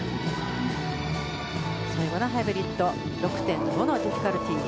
最後のハイブリッド６．５のディフィカルティー。